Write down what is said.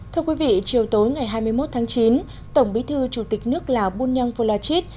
thưa quý vị chiều tối ngày hai mươi một tháng chín tổng bí thư chủ tịch nước lào bunyang volachit